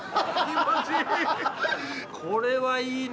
これはいいね。